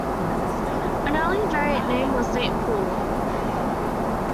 An early variant name was Saint Paul.